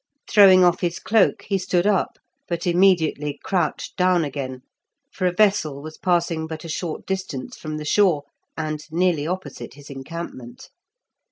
Throwing off his cloak, he stood up, but immediately crouched down again, for a vessel was passing but a short distance from the shore, and nearly opposite his encampment.